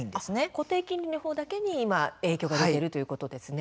固定金利の方だけには影響が出ているということですね